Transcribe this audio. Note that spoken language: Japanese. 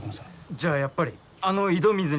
じゃあやっぱりあの井戸水に原因が。